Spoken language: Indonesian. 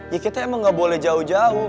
ya kita emang gak boleh jauh jauh